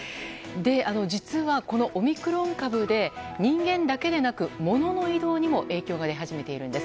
実はこのオミクロン株で人間だけでなくモノの移動にも影響が出始めているんです。